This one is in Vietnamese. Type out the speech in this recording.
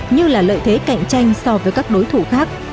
như là lợi thế cạnh tranh so với các đối thủ khác